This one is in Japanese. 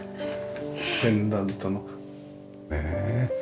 ペンダントのねえ。